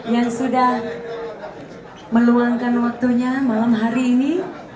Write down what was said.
yang sudah meluangkan waktunya malam hari ini